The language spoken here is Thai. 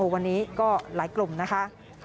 วันนี้ก็หลายกลุ่มนะคะ